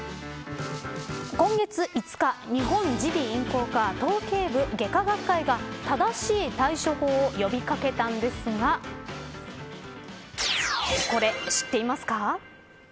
今月５日日本耳鼻咽喉科頭頸部外科学会が正しい対処法を呼び掛けたんですがこれ、知っていますか。